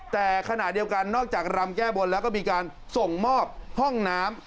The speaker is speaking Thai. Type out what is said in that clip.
แต่ขณะเดียวกันนอกจากรำแก้บนแล้วก็มีการส่งมอบห้องน้ำ